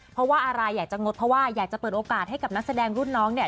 เพราะว่าอะไรอยากจะงดเพราะว่าอยากจะเปิดโอกาสให้กับนักแสดงรุ่นน้องเนี่ย